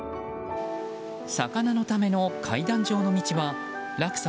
魚のための階段状の道は落差